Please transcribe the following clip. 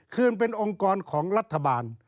คืนเป็นองค์กรของรัฐบาล